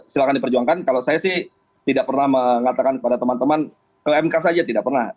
silahkan diperjuangkan kalau saya sih tidak pernah mengatakan kepada teman teman ke mk saja tidak pernah